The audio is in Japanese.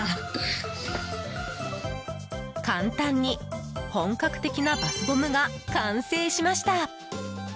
簡単に本格的なバスボムが完成しました。